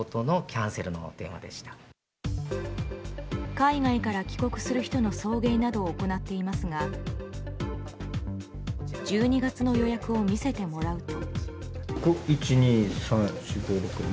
海外から帰国する人の送迎などを行っていますが１２月の予約を見せてもらうと。